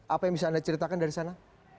apa yang bisa anda ceritakan dari sana